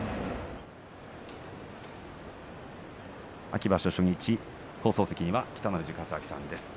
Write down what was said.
秋場所初日放送席には北の富士勝昭さんです。